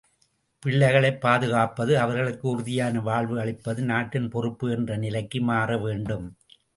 பிள்ளைகளைப் பாதுகாப்பது அவர்களுக்கு உறுதியான வாழ்வு அளிப்பது நாட்டின் பொறுப்பு என்ற நிலைக்கு மாறவேண்டும்.